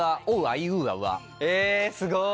えすごい！